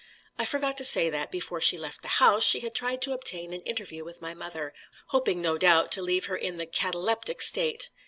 I forgot to say that, before she left the house, she had tried to obtain an interview with my mother, hoping, no doubt, to leave her in the cataleptic state.